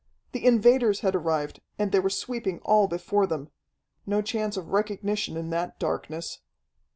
The invaders had arrived, and they were sweeping all before them. No chance of recognition in that darkness.